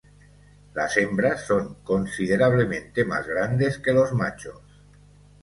Las hembras son considerablemente más grandes que los machos.